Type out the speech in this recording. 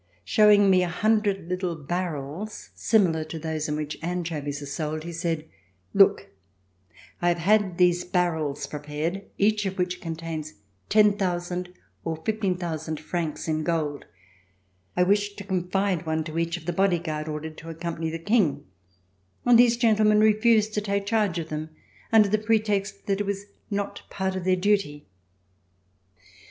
Showing me a hundred little barrels, similar to those in which anchovies are sold, he said: "Look, I have had these barrels prepared, each of [401 ] RECOLLECTIONS OF THE REVOLUTION which contains 10,000 or 15,000 francs in gold. I wished to confide one to each of the Body Guard ordered to accompany the King, and these gentlemen refused to take charge of them, under the pretext that it was not part of their duty."